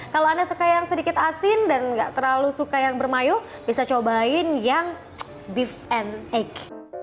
kalau anda suka yang sedikit asin dan nggak terlalu suka yang bermayo bisa cobain yang beef and egg